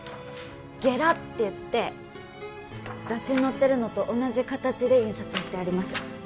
ゲラっていって雑誌に載ってるのと同じ形で印刷してあります